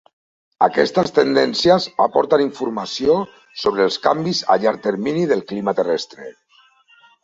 Aquestes tendències aporten informació sobre els canvis a llarg termini del clima terrestre.